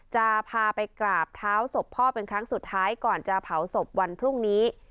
จะพาไปกราบเท้าศพพ่อเป็นครั้งสุดท้ายก่อนจะเผาศพวันพรุ่งนี้